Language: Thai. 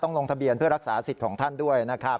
ลงทะเบียนเพื่อรักษาสิทธิ์ของท่านด้วยนะครับ